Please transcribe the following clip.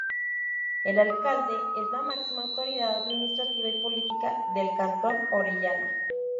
El Alcalde es la máxima autoridad administrativa y política del cantón Orellana.